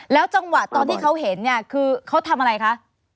แล้วจังหวะตอนที่เขาเห็นคือเขาทำอะไรคะ